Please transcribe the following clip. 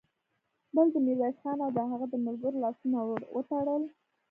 بل د ميرويس خان او د هغه د ملګرو لاسونه ور وتړل.